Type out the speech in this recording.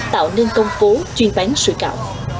tạo nên công phố chuyên bán sủi cảo